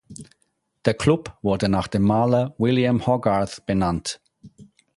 Der Club wurde nach dem Maler William Hogarth benannt.